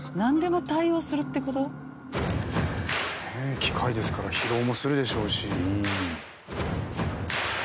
機械ですから疲労もするでしょうし。